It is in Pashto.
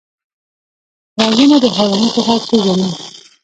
غوږونه د حیواناتو غږ پېژني